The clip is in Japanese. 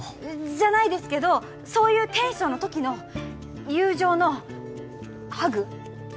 じゃないですけどそういうテンションのときの友情のハグ？